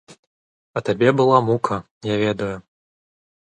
А табе была мука, я ведаю.